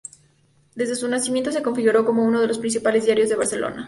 Desde su nacimiento se configuró como uno de los principales diarios de Barcelona.